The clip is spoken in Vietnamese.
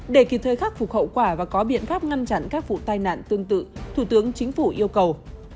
để kịp thời khắc phục hậu quả và có biện pháp ngăn chặn các vụ tai nạn tương tự thủ tướng chính phủ yêu cầu